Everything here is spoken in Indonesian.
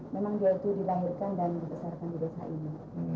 memang dia itu dilahirkan dan dibesarkan di desa ini